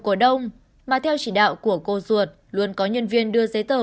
cổ đông mà theo chỉ đạo của cô ruột luôn có nhân viên đưa giấy tờ